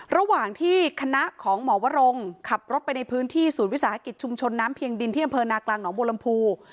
ระหว่างที่คณะของหมอวรงขับรถไปในพื้นที่ศูนย์วิสาหกิจชุมชนน้ำเพียงดินที่อำเภอนากลางหนองบัวลำพู